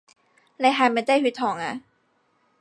你係咪低血糖呀？